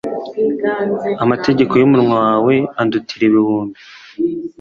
Amategeko y’umunwa wawe andutira ibihumbi